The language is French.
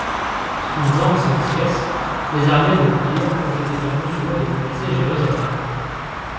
Sous Jean Tzimiskes, les armées de l'empire ont été en mesure de menacer Jérusalem.